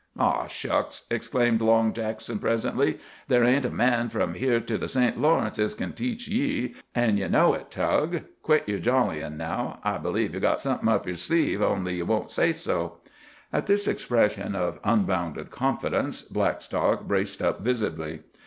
"Aw, shucks," exclaimed Long Jackson presently, "there ain't a man from here to the St. Lawrence as kin tech ye, an' ye know it, Tug. Quit yer jollyin' now. I believe ye've got somethin' up yer sleeve, only ye won't say so." At this expression of unbounded confidence Blackstock braced up visibly.